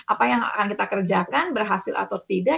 apa yang akan kita kerjakan berhasil atau tidak